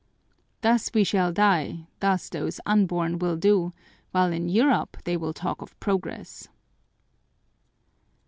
Thus we shall die, thus those unborn will do, while in Europe they will talk of progress."